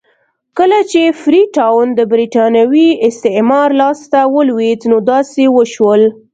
کله چې فري ټاون د برېټانوي استعمار لاس ته ولوېد نو داسې وشول.